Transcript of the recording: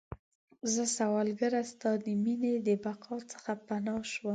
زه سوالګره ستا د میینې، د بقا څخه پناه شوم